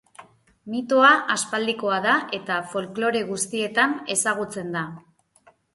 Mitoa aspaldikoa da eta folklore guztietan ezagutzen da.